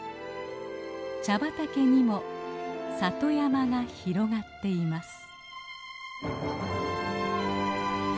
茶畑にも里山が広がっています。